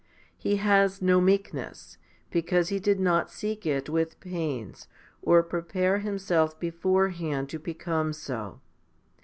He has no meekness, because he did not seek it with pains, or prepare himself beforehand to become so.